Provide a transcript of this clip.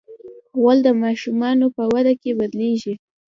غول د ماشومانو په وده کې بدلېږي.